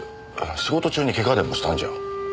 仕事中にケガでもしたんじゃ。